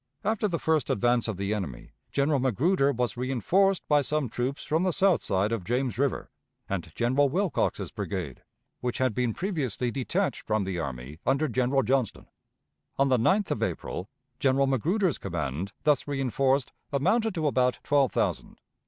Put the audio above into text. After the first advance of the enemy, General Magruder was reënforced by some troops from the south side of James River and General Wilcox's brigade, which had been previously detached from the army under General Johnston. On the 9th of April General Magruder's command, thus reënforced, amounted to about twelve thousand.